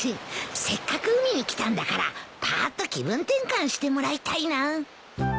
せっかく海に来たんだからぱーっと気分転換してもらいたいな。